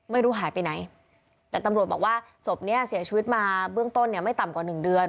ไม่รู้หายไปไหนแต่ตำรวจบอกว่าศพเนี้ยเสียชีวิตมาเบื้องต้นเนี่ยไม่ต่ำกว่าหนึ่งเดือน